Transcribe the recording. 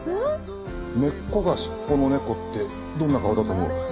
根っこがしっぽの猫ってどんな顔だと思う？